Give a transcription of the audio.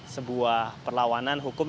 sebuah perlawanan hukum